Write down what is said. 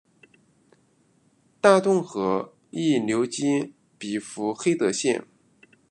大洞河亦流经比弗黑德县。